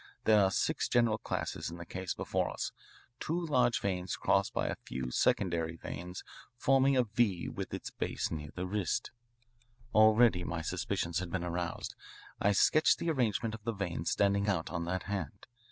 There are six general classes in this case before us, two large veins crossed by a few secondary veins forming a V with its base near the wrist. "Already my suspicions had been aroused. I sketched the arrangement of the veins standing out on that hand.